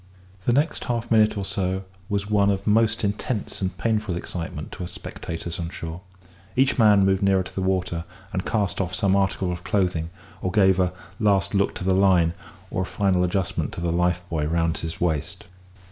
The next half minute or so was one of most intense and painful excitement to us spectators on shore. Each man moved nearer to the water, and cast off some article of clothing, or gave a last look to the line, or a final adjustment to the life buoy round his waist.